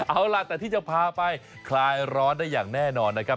เอาล่ะแต่ที่จะพาไปคลายร้อนได้อย่างแน่นอนนะครับ